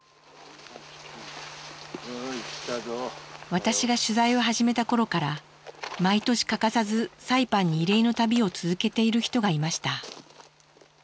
私が取材を始めた頃から毎年欠かさずサイパンに慰霊の旅を続けている人がいました。